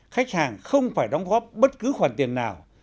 khách hàng không phải đóng góp bất cứ khoản tiền nào